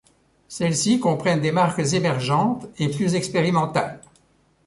Celles-ci comprennent des marques émergentes et plus expérimentales.